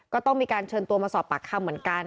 ก็ต้องมีการเชิญตัวมาสอบปากคำเหมือนกัน